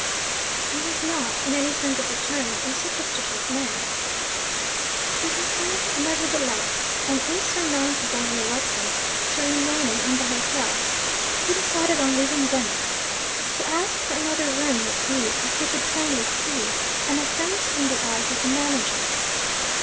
He was not, in any sense of the term, a superstitious man. But he felt, nevertheless, an insurmountable reluctance to remaining in the hotel. He decided on leaving Venice. To ask for another room would be, as he could plainly see, an offence in the eyes of the manager.